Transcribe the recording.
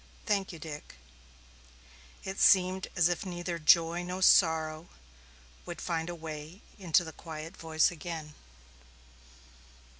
"Thank you, Dick." It seemed as if neither joy nor sorrow would find a way into the quiet voice again.